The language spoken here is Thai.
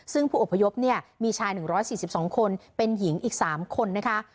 ซึ่งผู้อพยพเนี่ยมีชาย๑๔๒คนเป็นหญิงอีก๓คนนะคะ